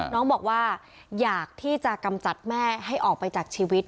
น้องบอกว่าอยากที่จะกำจัดแม่ให้ออกไปจากชีวิต